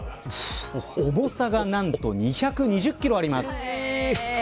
重さが何と２２０キロあります。